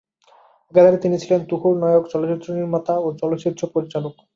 একাধারে তিনি ছিলেন তুখোড় নায়ক, চলচ্চিত্র নির্মাতা ও চলচ্চিত্র পরিচালক।